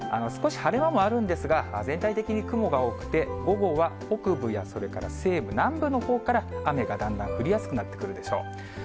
少し晴れ間もあるんですが、全体的に雲が多くて、午後は北部や、それから西部、南部のほうから雨がだんだん降りやすくなってくるでしょう。